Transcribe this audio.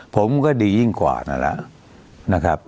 ผมก็ดียิ่งกว่านั่นแหละนะครับ